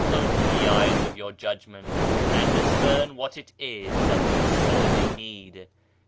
Open the eyes of your judgment and discern what it is that you sorely need.